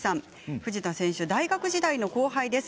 藤田選手、大学時代の後輩です。